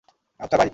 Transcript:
আচ্ছা, বাই!